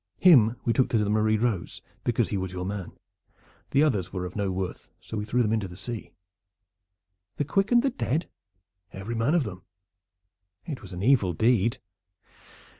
Him we took to the Marie Rose, because he was your man. The others were of no worth, so we threw them into the sea." "The quick and the dead?" "Every man of them." "It was an evil deed."